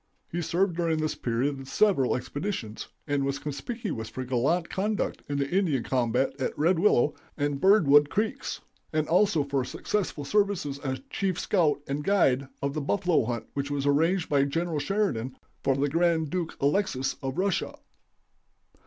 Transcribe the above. He served during this period with several expeditions, and was conspicuous for gallant conduct in the Indian combat at Red Willow and Birdwood creeks, and also for successful services as chief scout and guide of the buffalo hunt which was arranged by General Sheridan for the Grand Duke Alexis of Russia.